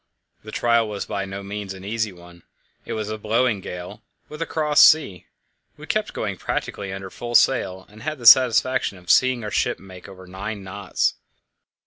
The trial was by no means an easy one. It was blowing a gale, with a cross sea; we kept going practically under full sail, and had the satisfaction of seeing our ship make over nine knots.